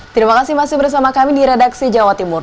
terima kasih masih bersama kami di redaksi jawa timur